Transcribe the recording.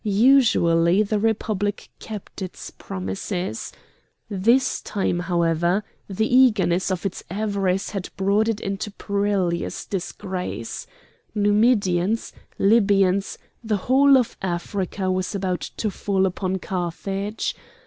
Usually the Republic kept its promises. This time, however, the eagerness of its avarice had brought it into perilous disgrace. Numidians, Libyans, the whole of Africa was about to fall upon Carthage.